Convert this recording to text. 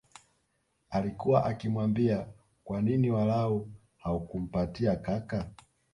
Alikua akimwambia kwa nini walau hakumpatia kaka